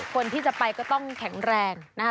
คนที่จะไปก็ต้องแข็งแรงนะคะ